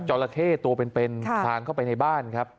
จอแร้เข้ตัวเป็นพังเข้าไปในบ้าน